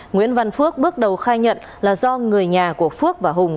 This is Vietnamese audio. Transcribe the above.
nguyễn văn phước bước đầu khai nhận là do người nhà của phước và hùng